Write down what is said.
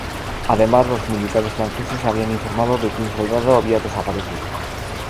Además, los militares franceses habían informado de que un soldado había desaparecido.